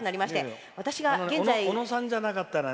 小野さんじゃなかったらね